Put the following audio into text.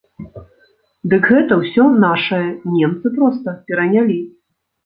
Дык гэта ўсё нашае, немцы проста перанялі!